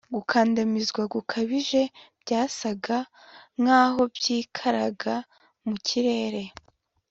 Gukandamizwa gukabije byasaga nkaho byikaraga mu kirere